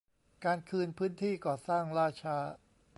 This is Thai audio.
การคืนพื้นที่ก่อสร้างล่าช้า